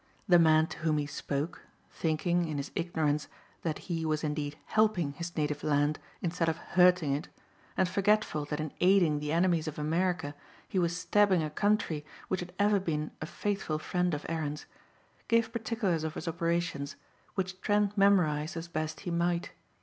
The man to whom he spoke, thinking in his ignorance that he was indeed helping his native land instead of hurting it, and forgetful that in aiding the enemies of America he was stabbing a country which had ever been a faithful friend of Erin's, gave particulars of his operations which Trent memorized as best he might.